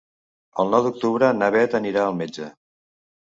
El nou d'octubre na Beth anirà al metge.